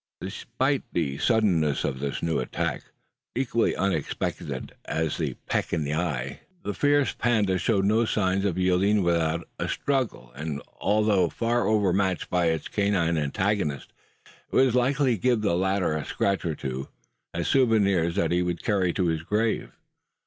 Despite the suddenness of this new attack equally unexpected as the peck in the eye the fierce panda showed no signs of yielding without a struggle; and, although far overmatched by its canine antagonist, it was likely to give the latter a scratch or two, as souvenirs that he would carry to his grave.